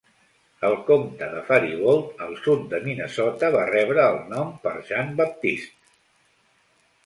El comtat de Faribault, al sud de Minnesota, va rebre el nom per Jean-Baptiste.